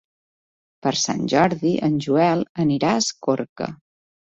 Per Sant Jordi en Joel anirà a Escorca.